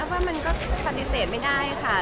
ว่ามันก็ปฏิเสธไม่ได้ค่ะ